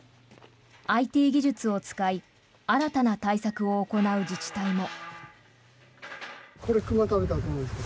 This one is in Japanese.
ＩＴ技術を使い新たな対策を行う自治体も。